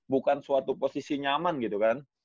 bukan suatu posisi nyaman gitu kan